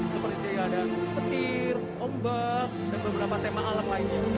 seperti kayak ada petir ombak dan beberapa tema alam lainnya